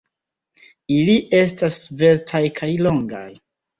Ili estas sveltaj kaj longaj.